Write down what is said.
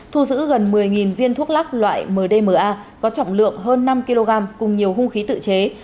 thu giữ gần một mươi viên thuốc lắc loại mdma có trọng lượng hơn năm kg cùng nhiều hung khí tự chế